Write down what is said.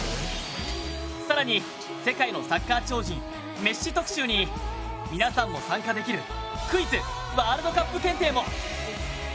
更に、世界のサッカー超人メッシ特集に皆さんも参加できる「クイズ！ワールドカップ検定！」も！